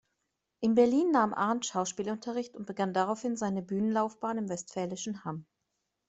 In Berlin nahm Arndt Schauspielunterricht und begann daraufhin seine Bühnenlaufbahn im westfälischen Hamm.